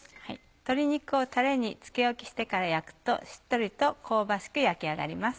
鶏肉をたれにつけ置きしてから焼くとしっとりと香ばしく焼き上がります。